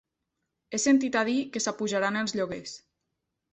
He sentit a dir que s'apujaran els lloguers.